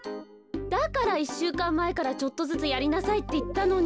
だから１しゅうかんまえからちょっとずつやりなさいっていったのに。